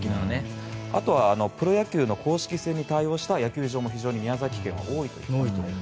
あとはプロ野球の公式戦に対応した野球場も宮崎県は結構多いということで。